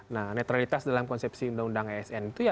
nah netralitas dalam konsepsi undang undang asn itu ya